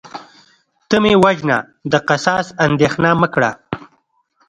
ته مې وژنه د قصاص اندیښنه مه کړه